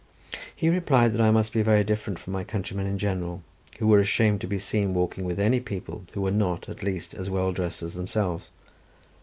He replied that I must be very different from my countrymen in general, who were ashamed to be seen walking with any people who were not, at least, as well dressed as themselves.